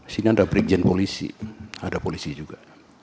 sini ada berikjen polisi ada polisi juga